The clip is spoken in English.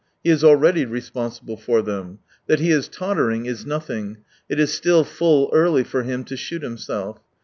He is already responsible for them. That he is tottering is nothing : it is still full early for him to shoot himself.